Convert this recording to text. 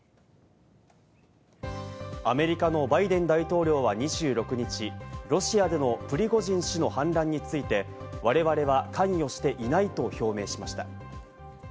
アメリカのバイデン大統領は２６日、ロシアでのプリゴジン氏の反乱について、我々は関与していないと表明しました。